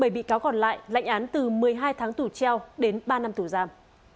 bảy bị cáo còn lại lãnh án từ một mươi hai tháng tù treo đến ba năm tù giam